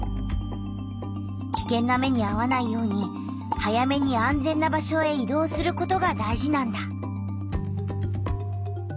きけんな目にあわないように早めに安全な場所へ移動することが大事なんだ。